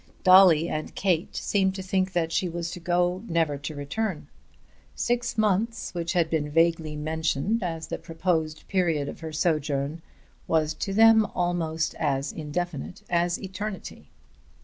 Dolly and Kate seemed to think that she was to go, never to return. Six months, which had been vaguely mentioned as the proposed period of her sojourn, was to them almost as indefinite as eternity.